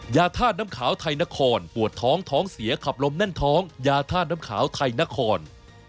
ยาธาตุน้ำขาวไทยนครปวดท้องท้องเสียขับลมแน่นท้องยาธาตุน้ำขาวไทยนคร